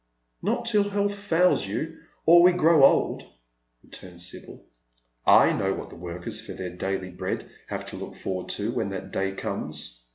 "Not till health fails you, or we grow old," returns Sibyl. "I know what the workers for their daily bread have to look forward to when that day comes.